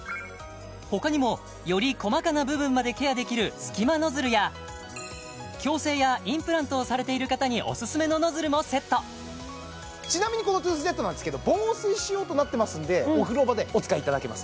他にもより細かな部分までケアできるすき間ノズルや矯正やインプラントをされている方におすすめのノズルもセットちなみにこのトゥースジェットなんですけど防水仕様となってますんでお風呂場でお使いいただけます